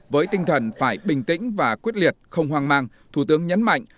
với tinh thần phải bình tĩnh và quyết liệt không hoang mang thủ tướng nhấn mạnh